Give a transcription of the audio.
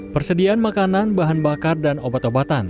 persediaan makanan bahan bakar dan obat obatan